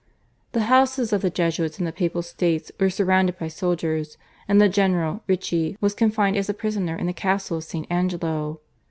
The houses of the Jesuits in the Papal States were surrounded by soldiers, and the general, Ricci, was confined as a prisoner in the castle of St. Angelo.